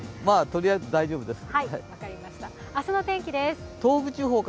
とりあえず大丈夫です。